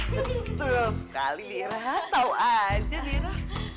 tentu sekali bira tau aja bira